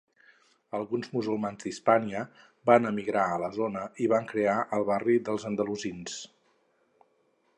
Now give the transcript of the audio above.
Alguns musulmans d'Hispània van emigrar a la zona i van crear el barri dels Andalusins.